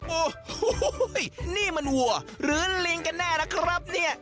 โอ้โหนี่มันวัวหรือลิงกันแน่นะครับเนี่ย